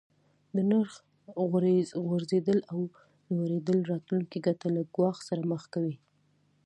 د نرخ غورځیدل او لوړیدل راتلونکې ګټه له ګواښ سره مخ کوي.